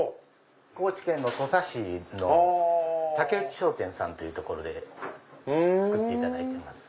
高知県の土佐市の竹内商店さんという所で作っていただいてます。